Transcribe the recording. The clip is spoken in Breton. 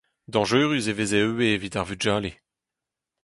Dañjerus e veze ivez evit ar vugale.